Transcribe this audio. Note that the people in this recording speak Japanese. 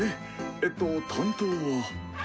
えっと担当は。